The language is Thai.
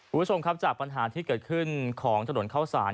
คุณผู้ชมครับจากปัญหาที่เกิดขึ้นของถนนเข้าสาร